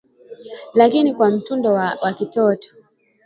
lakini kwa utundu wa kitoto